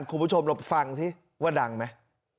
คุณผู้ชมนบฟังที่ว่าดังไหม